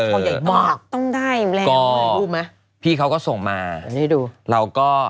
พอใหญ่มากต้องได้แล้วดูมั้ยพี่เขาก็ส่งมาให้ดูเราก็